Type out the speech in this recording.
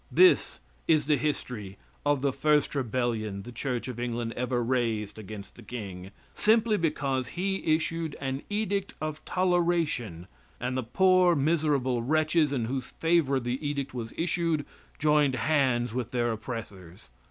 This is the history of the first rebellion the Church of England ever raised against the king, simply because he issued an edict of toleration and the poor, miserable wretches in whose favor the edict was issued joined hands with their oppressors.